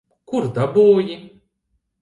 Kur dabūji?